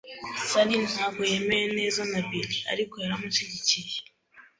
Sally ntabwo yemeye neza na Bill, ariko yaramushyigikiye .